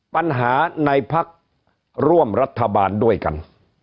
ปัญหาในพักร่วมรัฐบาลด้วยกัน